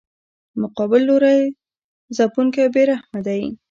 مقابل لوری ځپونکی او بې رحمه دی.